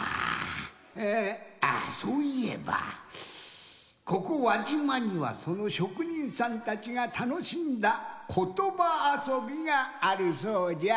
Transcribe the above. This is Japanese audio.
えぇあそういえばここ輪島にはそのしょくにんさんたちがたのしんだことばあそびがあるそうじゃ。